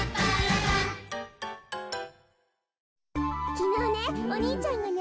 きのうねお兄ちゃんがね